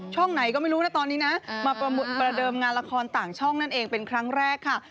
ไหนก็ไม่รู้นะตอนนี้นะมาประเดิมงานละครต่างช่องนั่นเองเป็นครั้งแรกค่ะ